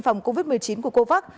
phòng covid một mươi chín của covax